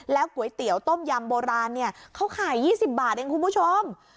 ก๋วยเตี๋ยวต้มยำโบราณเนี่ยเขาขาย๒๐บาทเองคุณผู้ชม